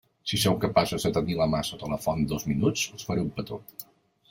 Si sou capaços de tenir la mà sota la font dos minuts, us faré un petó.